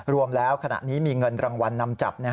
รวมแล้วขณะนี้มีเงินรางวัลนำจับ